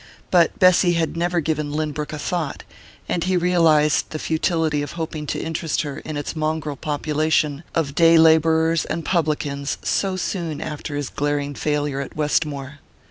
But Bessy had never given Lynbrook a thought, and he realized the futility of hoping to interest her in its mongrel population of day labourers and publicans so soon after his glaring failure at Westmore.